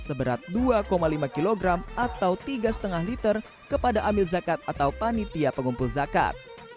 seberat dua lima kg atau tiga lima liter kepada amil zakat atau panitia pengumpul zakat